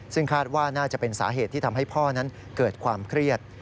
ซึ่งคาดว่าน่าจะเป็นสาเหตุที่ทำให้พ่อนั้นเกิดความเครียด